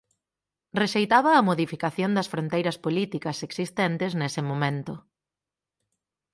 Rexeitaba a modificación das fronteiras políticas existentes nese momento.